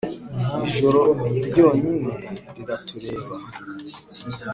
ijoro ryonyine riratureba -